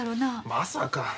まさか。